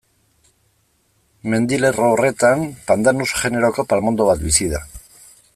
Mendilerro horretan, Pandanus generoko palmondo bat bizi da.